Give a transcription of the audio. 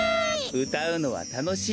うたうのはたのしい。